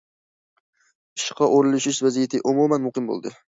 ئىشقا ئورۇنلىشىش ۋەزىيىتى ئومۇمەن مۇقىم بولدى.